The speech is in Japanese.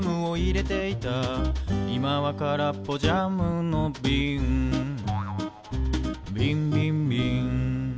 「いまはからっぽジャムのびん」「びんびんびん」